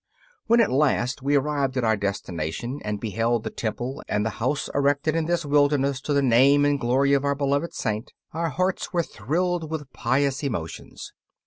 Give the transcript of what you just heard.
When at last we arrived at our destination and beheld the temple and the house erected in this wilderness to the name and glory of our beloved Saint, our hearts were thrilled with pious emotions.